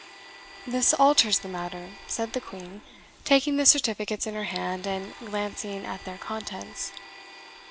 "This alters the matter," said the Queen, taking the certificates in her hand, and glancing at their contents.